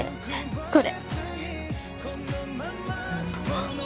これ。